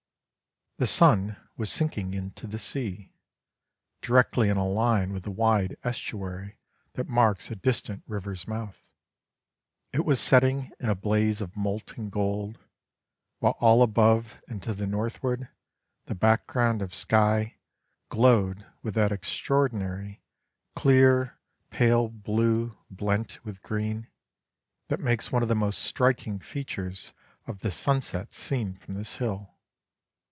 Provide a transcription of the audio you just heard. The sun was sinking into the sea, directly in a line with the wide estuary that marks a distant river's mouth. It was setting in a blaze of molten gold, while all above and to the northward, the background of sky glowed with that extraordinary, clear pale blue blent with green, that makes one of the most striking features of the sunsets seen from this hill.